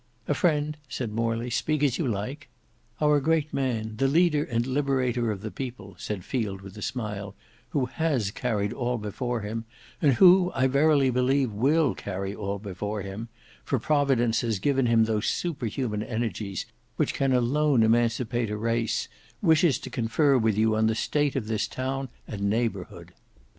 "A friend," said Morley; "speak as you like." "Our great man, the leader and liberator of the people," said Field with a smile, "who has carried all before him, and who I verily believe will carry all before him, for Providence has given him those superhuman energies which can alone emancipate a race, wishes to confer with you on the state of this town and neighbourhood.